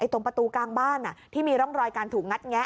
ตรงประตูกลางบ้านที่มีร่องรอยการถูกงัดแงะ